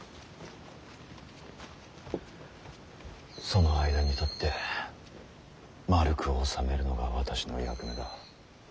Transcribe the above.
その間に立ってまるく収めるのが私の役目だ。